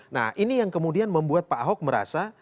nah ini yang kemudian membuat pak ahok merasa